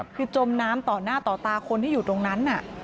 คือจมน้ำต่อหน้าต่อตาคนที่อยู่ตรงนั้น